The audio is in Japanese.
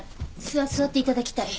座っていただきたい。